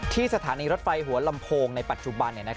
สถานีรถไฟหัวลำโพงในปัจจุบัน